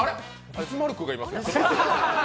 ビスマルクがいます。